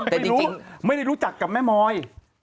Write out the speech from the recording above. แต่ดิ้วไม่ได้รู้จักกับแม่มอย